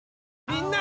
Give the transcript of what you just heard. みんな！